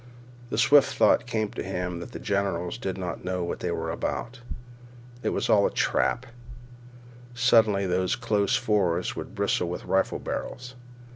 The swift thought came to him that the generals did not know what they were about. It was all a trap. Suddenly those close forests would bristle with rifle barrels.